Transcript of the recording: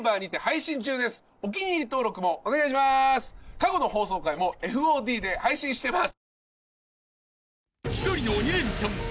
過去の放送回もＦＯＤで配信してます。